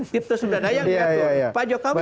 tipe sutradara yang diatur pak jokowi